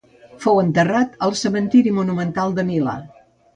Fou enterrat al Cementiri Monumental de Milà.